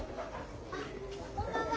あっこんばんは。